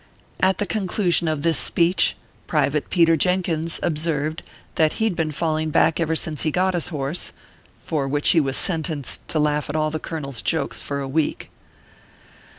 At the conclusion of this speech, Private Peter Jenkins observed that he d been falling back ever since he got his horse ;. for which he was sentenced to laugh at all the colonel s jokes for a week.